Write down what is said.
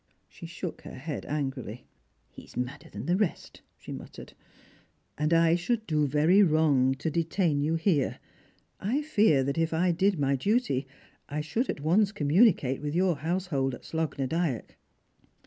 She shook her head angrily. " He is madder than the rest," she muttered. " And I should do very wrong to detain you here. I fear that, if I did my duty, I should at once communicate with your house hold at Slogh na Dyack."